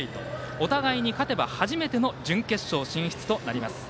お互いに勝てば初めての準決勝進出となります。